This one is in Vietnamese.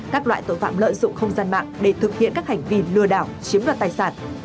các loại tội phạm lợi dụng không gian mạng để thực hiện các hành vi lừa đảo chiếm đoạt tài sản